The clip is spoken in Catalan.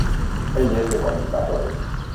Ell és de Coimbatore.